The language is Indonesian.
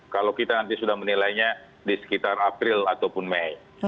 kalau kita nanti sudah menilainya di sekitar april ataupun mei